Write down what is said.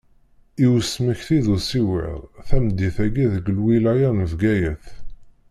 I usmekti d usiweḍ, tameddit-agi deg lwilaya n Bgayet.